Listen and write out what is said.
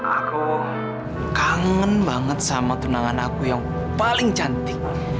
aku kangen banget sama tunangan aku yang paling cantik